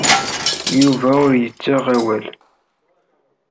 Yuba ur yettaɣ awal.